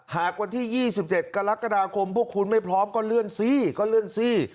หากวันที่๒๗กรกฎาคมพวกคุณไม่พร้อมก็เลื่อนซี